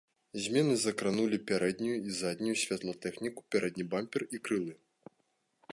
Змены закранулі пярэднюю і заднюю святлатэхніку, пярэдні бампер і крылы.